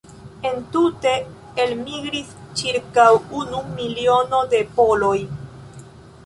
Entute elmigris ĉirkaŭ unu miliono de poloj.